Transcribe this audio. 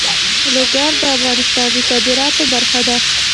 لوگر د افغانستان د صادراتو برخه ده.